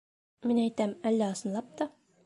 Мин әйтәм, әллә ысынлап та...